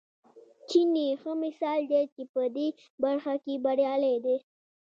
چین یې ښه مثال دی چې په دې برخه کې بریالی دی.